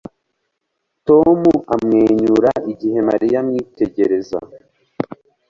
Tom amwenyura igihe Mariya amwitegereza